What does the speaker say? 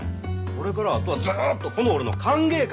これからあとはずっとこの俺の歓迎会！